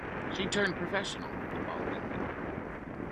She turned professional the following year.